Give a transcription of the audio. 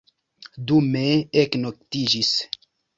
Dume eknoktiĝis.